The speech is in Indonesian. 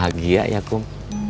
pasti bahagia ya kum